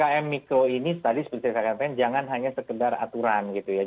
jadi ppkm mikro ini tadi seperti saya katakan jangan hanya sekedar aturan gitu ya